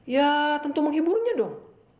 ya tentu menghiburnya dong